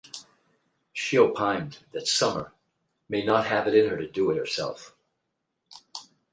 She opined that Summer may not "have it in her to do it" herself.